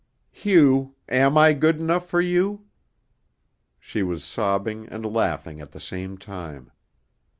"Hugh, am I good enough for you?" She was sobbing and laughing at the same time.